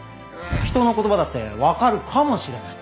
人の言葉だって分かるかもしれない。